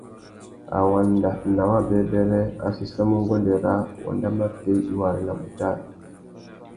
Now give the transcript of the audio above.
A wanda nà wabêbêrê, a séssamú nguêndê râā : wanda matê i wô arénamú tari ?